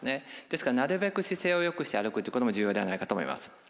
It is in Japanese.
ですからなるべく姿勢をよくして歩くということも重要ではないかと思います。